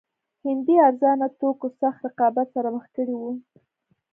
هندي ارزانه توکو سخت رقابت سره مخ کړي وو.